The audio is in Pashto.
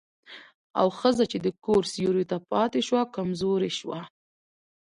او ښځه چې د کور سيوري ته پاتې شوه، کمزورې شوه.